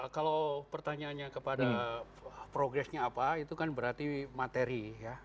kalau pertanyaannya kepada progresnya apa itu kan berarti materi ya